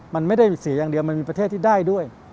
มันไม่ได้เสียอย่างเดียวมันมีประเทศที่ได้ด้วย